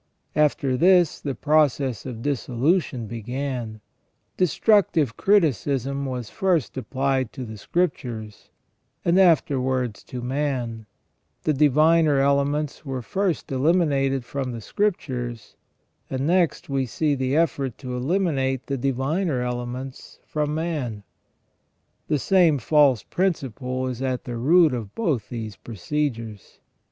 After this the process of dissolution began, destructive criticism was first applied to the Scriptures, and after wards to man ; the diviner elements were first eliminated from the Scriptures, and next we see the effort to eliminate the diviner elements from man. The same false principle is at the root of both these procedures.